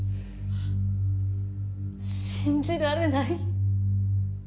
信じられない。